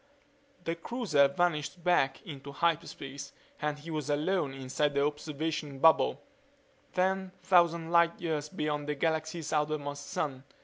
The cruiser vanished back into hyperspace and he was alone inside the observation bubble, ten thousand light years beyond the galaxy's outermost sun.